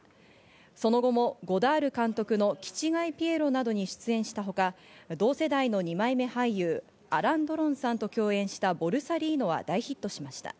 その後もゴダール監督の『気狂いピエロ』などに出演したほか、同世代の二枚目俳優、アラン・ドロンさんと共演した『ボルサリーノ』は大ヒットしました。